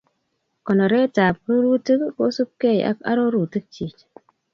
Konoret ab rurutik kosupkei ak arorutikchi